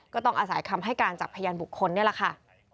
ก็ต้องอาศัยคำให้การจากพยานบุคคลนี่แหละค่ะ